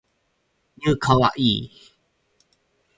new kawaii